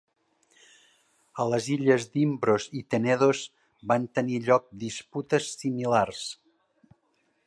A les illes d'Imbros i Tenedos van tenir lloc disputes similars.